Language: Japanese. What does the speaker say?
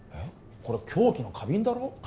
これ凶器の花瓶だろ？